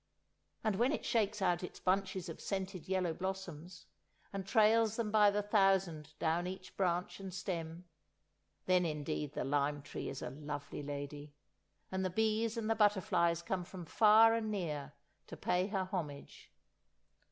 And when it shakes out its bunches of scented yellow blossoms, and trails them by the thousand down each branch and stem, then indeed the lime tree is a lovely lady, and the bees and the butterflies come from far and near to pay her homage.